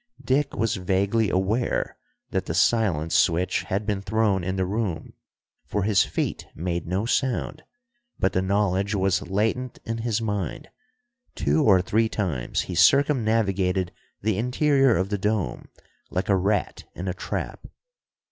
Dick was vaguely aware that the silence switch had been thrown in the room, for his feet made no sound, but the knowledge was latent in his mind. Two or three times he circumnavigated the interior of the dome, like a rat in a trap.